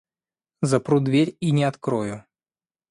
Запру дверь и не открою.